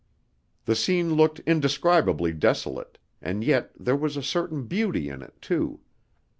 The scene looked indescribably desolate, and yet there was a certain beauty in it, too.